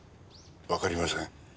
わかりません。